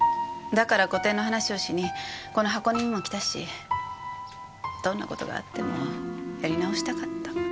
だから個展の話をしにこの箱根にも来たしどんな事があってもやり直したかった。